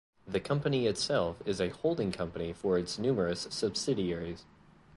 The company itself is a holding company for its numerous subsidiaries.